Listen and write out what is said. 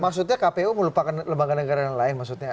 maksudnya kpu melupakan lembaga negara yang lain maksudnya